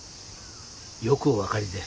よくお分かりで。